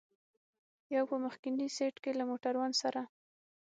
یو په مخکني سېټ کې له موټروان سره.